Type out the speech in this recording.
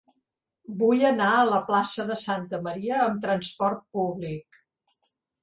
Vull anar a la plaça de Santa Maria amb trasport públic.